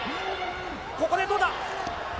ここでどうだ？